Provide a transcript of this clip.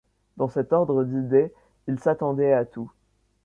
Dans cet ordre d’idées, ils s’attendaient à tout